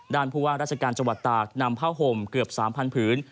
ด่านพูดว่าราชการจังหวัดตากนำพ่าโฮมเกือบ๓๐๐๐ผืน